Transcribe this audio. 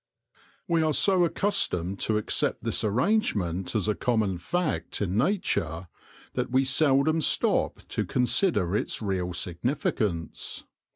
We are so accustomed to accept this arrangement as a common fact in nature that we seldom stop to consider its real significance.